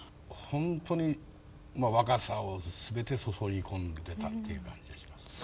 ほんとに若さを全て注ぎ込んでたっていう感じがしますね。